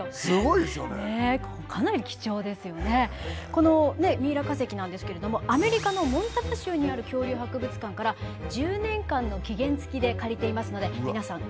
このミイラ化石なんですけれどもアメリカのモンタナ州にある恐竜博物館から１０年間の期限付きで借りていますので皆さんお見逃しなく。